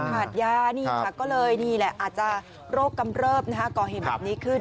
ขาดยานี่ค่ะก็เลยนี่แหละอาจจะโรคกำเริบก่อเหตุแบบนี้ขึ้น